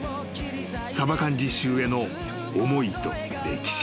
［サバ缶実習への思いと歴史］